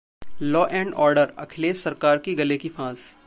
'law and order' Akhilesh सरकार की गले की फांस